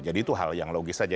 jadi itu hal yang logis saja